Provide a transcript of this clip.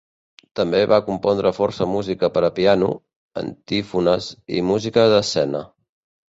També va compondre força música per a piano, antífones i música d'escena.